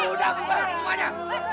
udah bumpal rumahnya